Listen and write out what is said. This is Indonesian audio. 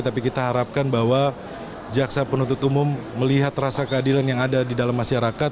tapi kita harapkan bahwa jaksa penuntut umum melihat rasa keadilan yang ada di dalam masyarakat